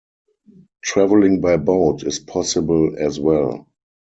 Travelling by boat is possible as well.